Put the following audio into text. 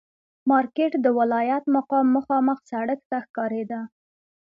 مارکېټ د ولایت مقام مخامخ سړک ته ښکارېده.